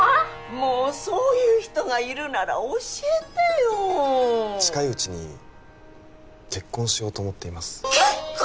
もうそういう人がいるなら教えてよ近いうちに結婚しようと思っています結婚！？